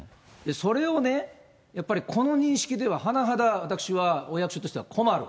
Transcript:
それをこの認識でははなはだ私はお役所としては困る。